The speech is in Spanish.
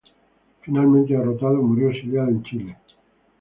Finalmente derrotado, murió exiliado en Chile.